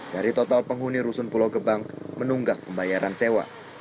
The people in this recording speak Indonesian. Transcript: dari total penghuni rusun pulau gebang menunggak pembayaran sewa